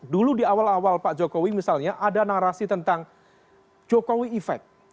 dulu di awal awal pak jokowi misalnya ada narasi tentang jokowi effect